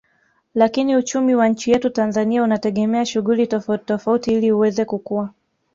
Lakini uchumi wa nchi yetu Tanzania unategemea shughuli tofauti tofauti ili uweze kukua